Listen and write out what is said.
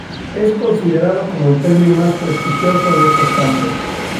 Es considerado como el premio más prestigioso en estos campos.